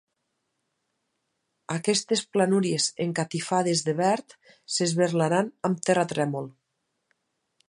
Aquestes planúries encatifades de verd s'esberlaran amb terratrèmol